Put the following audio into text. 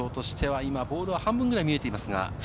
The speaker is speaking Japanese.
ボールは半分くらい見えています。